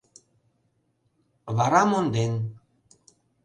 «Вара монден»...